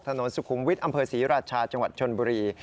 ถนนสุขุมวิทย์อำเภอศรีราชาจังหวัดชนบุรี